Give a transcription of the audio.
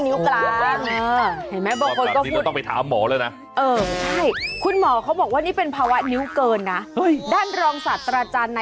นิ้วกลางอ่ะนิ้วกลางกับนิ้วนางอันไหน